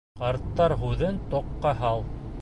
Ҡарттар һүҙен тоҡҡа һал.